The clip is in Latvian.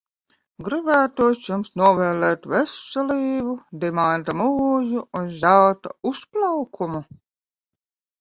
Gribētos jums novēlēt veselību, dimanta mūžu un zelta uzplaukumu.